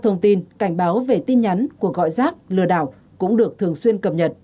thông tin cảnh báo về tin nhắn của gọi rác lừa đảo cũng được thường xuyên cập nhật